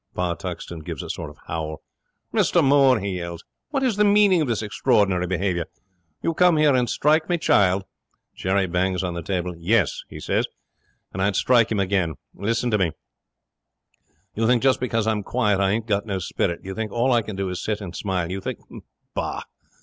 Pa Tuxton gives a sort of howl. '"Mr Moore," he yells, "what is the meaning of this extraordinary behaviour? You come here and strike me child " 'Jerry bangs on the table. '"Yes," he says, "and I'd strike him again. Listen to me," he says. "You think just because I'm quiet I ain't got no spirit. You think all I can do is to sit and smile. You think Bah!